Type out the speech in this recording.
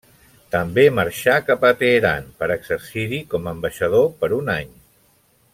També marxà cap a Teheran per exercir-hi com a ambaixador per un any.